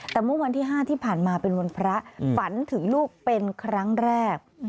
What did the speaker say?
แต่เมื่อวันที่๕ที่ผ่านมาเป็นวันพระฝันถึงลูกเป็นครั้งแรก